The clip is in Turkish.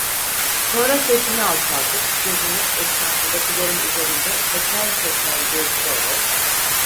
Sonra sesini alçaltıp gözünü etrafındakilerin üzerinde teker teker gezdirerek: